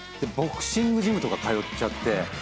ボクシングジムとか通っちゃって。